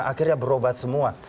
akhirnya berobat semua